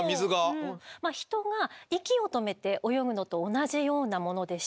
人が息を止めて泳ぐのと同じようなものでして。